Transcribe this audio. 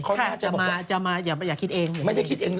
เขาแน่นจะบอกว่าอย่าคิดเองเหมือนกันไม่ได้คิดเอง